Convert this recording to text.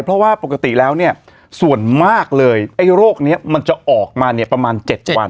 เพราะว่าปกติแล้วเนี่ยส่วนมากเลยไอ้โรคนี้มันจะออกมาเนี่ยประมาณ๗วัน